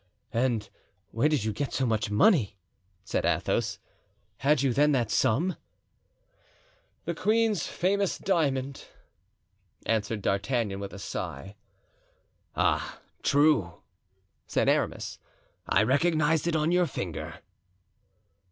"And where did you get so much money?" said Athos. "Had you, then, that sum?" "The queen's famous diamond," answered D'Artagnan, with a sigh. "Ah, true," said Aramis. "I recognized it on your finger."